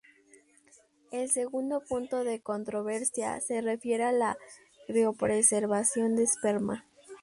El segundo punto de controversia se refiere a la criopreservación de esperma.